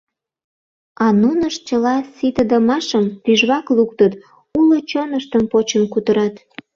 А нунышт чыла ситыдымашым тӱжвак луктыт, уло чоныштым почын кутырат.